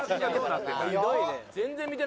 ひどいね。